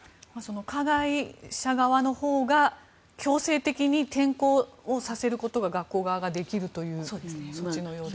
加害者側のほうが強制的に転校をさせることが学校側ができるという措置のようです。